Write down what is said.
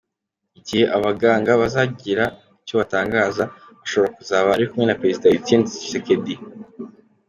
Igihe abaganga bazagira icyo batangaza, ashobora kuzaba ari kumwe na Perezida Etienne Tshisekedi.